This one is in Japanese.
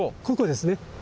ここですね。